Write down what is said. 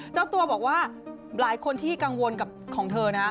เจ้าตัวบอกว่าหลายคนที่กังวลกับของเธอนะครับ